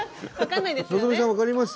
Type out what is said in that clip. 希さん分かります？